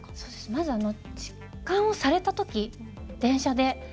まず、痴漢をされたとき電車で。